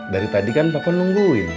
dari tadi kan pak kwon nungguin